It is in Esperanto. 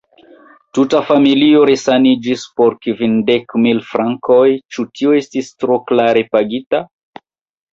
Tuta familio resaniĝis por kvindek mil frankoj: ĉu tio estis tro kare pagita?